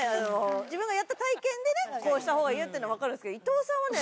自分がやった体験でねこうしたほうがいいよって言うのは分かるんですけど伊藤さんはね